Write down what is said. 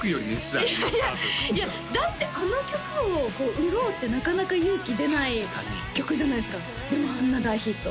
多分いやいやいやだってあの曲を売ろうってなかなか勇気出ない曲じゃないですかでもあんな大ヒット